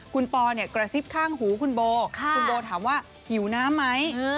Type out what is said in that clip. คุณปอเนี่ยกระซิบข้างหูคุณโบคุณโบถามว่าหิวน้ำไหม